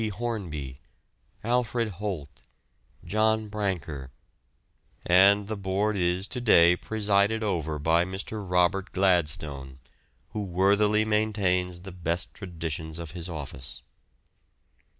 Hornby, Alfred Holt, John Brancker; and the Board is to day presided over by Mr. Robert Gladstone, who worthily maintains the best traditions of his office.